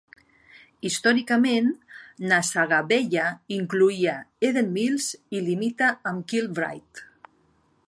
Històricament, Nassagaweya incloïa Eden Mills i limita amb Kilbride.